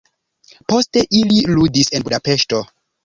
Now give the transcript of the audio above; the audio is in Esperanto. Poste ili ludis en Budapeŝto.